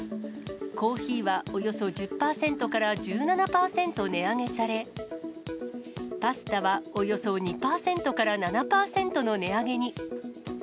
コーヒーはおよそ１０％から１７％値上げされ、パスタはおよそ２％から７％の値上げに。